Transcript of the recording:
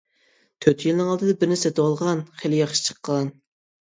تۆت يىلنىڭ ئالدىدا بىرنى سېتىۋالغان، خېلى ياخشى چىققان.